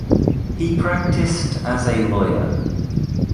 He practiced as a lawyer.